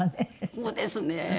そうですね。